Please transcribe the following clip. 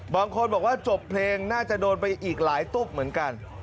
บางคนบอกว่าจบเพลงน่าจะโดนไปอีกหลายตุ๊บเหมือนกัน